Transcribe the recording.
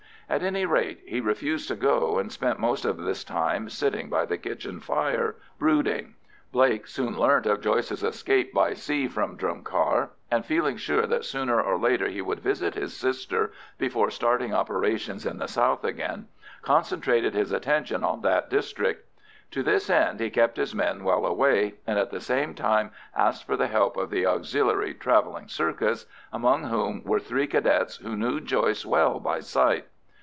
At any rate he refused to go, and spent most of this time sitting by the kitchen fire brooding. Blake soon learnt of Joyce's escape by sea from Drumcar, and feeling sure that sooner or later he would visit his sister before starting operations in the south again, concentrated his attention on that district. To this end, he kept his men well away, and at the same time asked for the help of the Auxiliary "travelling circus," among whom were three Cadets who knew Joyce well by sight.